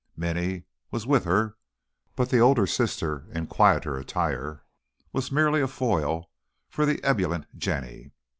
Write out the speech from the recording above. Minny was with her, but the older sister, in quieter attire, was merely a foil for the ebullient Jenny.